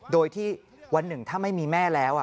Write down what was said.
โดยที่วันหนึ่งถ้าไม่มีแม่แล้ว